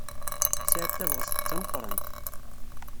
Tesɛiḍ tabɣest d tameqrant.